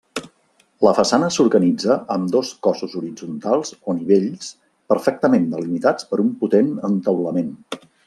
La façana s'organitza amb dos cossos horitzontals o nivells, perfectament delimitats per un potent entaulament.